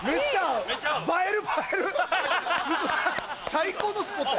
最高のスポット。